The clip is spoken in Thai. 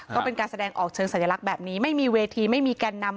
ก็เป็นการแสดงออกเชิงสัญลักษณ์แบบนี้ไม่มีเวทีไม่มีแก่นนำ